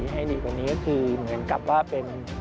ให้ดีกว่านี้ก็คือเหมือนกับว่าเป็น